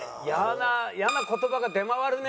嫌な言葉が出回るね。